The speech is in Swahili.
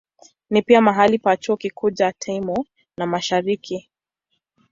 Ni pia mahali pa chuo kikuu cha Timor ya Mashariki.